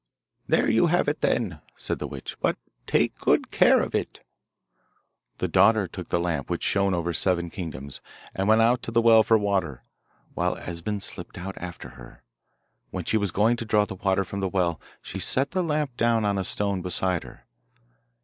'There you have it, then,' said the witch; 'but take good care of it.' The daughter took the lamp which shone over seven kingdoms, and went out to the well for water, while Esben slipped out after her. When she was going to draw the water from the well she set the lamp down on a stone beside her.